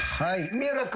三浦君。